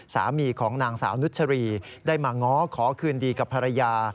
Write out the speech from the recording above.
สามีของนางสาวนุชรีได้มาง้อขอคืนดีกับภรรยา